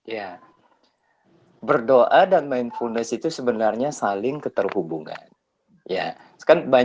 ya berdoa dan mindfulness itu sebenarnya saling keterhubungan